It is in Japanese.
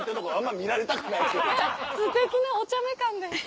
えっすてきなおちゃめ感でした。